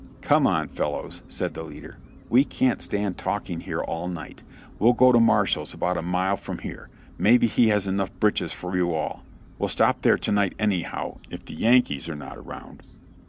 "Come on, fellows," said the leader, "we can't stand talking here all night. We'll go to Marshall's, about a mile from here; maybe he has enough breeches for you all; we'll stop there to night anyhow if the Yankees are not around."